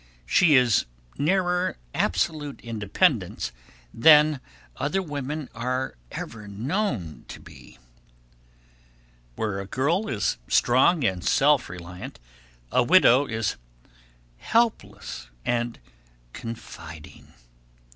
She is nearer absolute independence than other women are ever known to be. Where a girl is strong and self reliant, a widow is helpless and confiding.